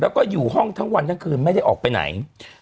แล้วก็อยู่ห้องทั้งวันทั้งคืนไม่ได้ออกไปไหน